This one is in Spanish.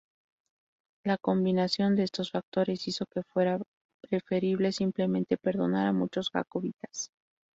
La combinación de estos factores hizo que fuera preferible simplemente perdonar a muchos jacobitas.